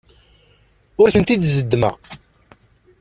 Ur ten-id-zeddmeɣ.